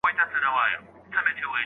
يو پر بل باندي بايد احسان وانه چول سي.